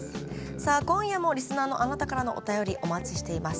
今夜もリスナーのあなたからのお便りお待ちしています。